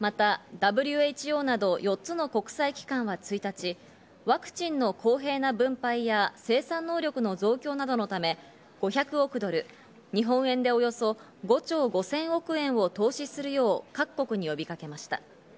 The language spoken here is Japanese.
またＷＨＯなど４つの国際機関は１日、ワクチンの公平な分配や生産能力の増強などのため５００億ドル、日本円でおよそ５兆５０００億円を投資するよう各国に呼びかけました。